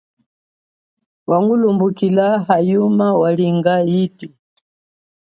Wangulumbukila hayuma walinga yipi.